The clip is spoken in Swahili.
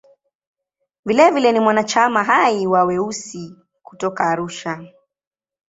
Vilevile ni mwanachama hai wa "Weusi" kutoka Arusha.